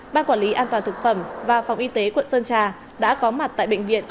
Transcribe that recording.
ban quản lý an toàn thực phẩm và phòng y tế quận sơn trà đã có mặt tại bệnh viện